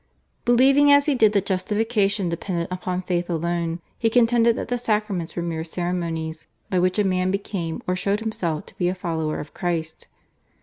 Believing as he did that justification depended upon faith alone, he contended that the Sacraments were mere ceremonies by which a man became or showed himself to be a follower of Christ.